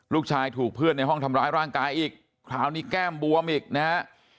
ลูกชายถูกเพื่อนในห้องทำร้ายร่างกายอีกคราวนี้แก้มบวมอีกนะฮะ